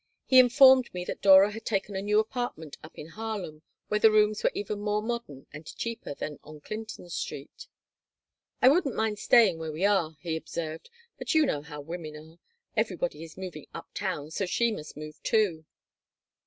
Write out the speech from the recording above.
He informed me that Dora had taken a new apartment up in Harlem, where the rooms were even more modern and cheaper than on Clinton Street "I wouldn't mind staying where we are," he observed. "But you know how women are. Everybody is moving up town, so she must move, too."